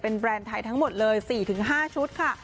เป็นแบรนด์ไทยทั้งหมดเลยสี่ถึงห้าชุดค่ะ